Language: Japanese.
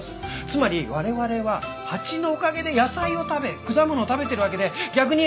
つまり我々は蜂のおかげで野菜を食べ果物を食べてるわけで逆に言えば。